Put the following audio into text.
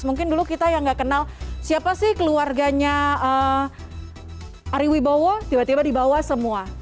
mungkin dulu kita yang nggak kenal siapa sih keluarganya ari wibowo tiba tiba dibawa semua